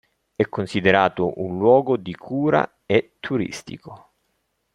È considerato un luogo di cura e turistico.